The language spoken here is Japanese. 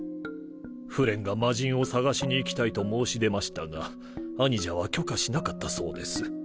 フレンが魔神を捜しに行きたいと申し出ましたが兄者は許可しなかったそうです。